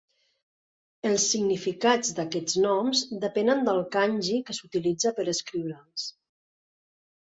Els significats d'aquests noms depenen del Kanji que s'utilitza per escriure'ls.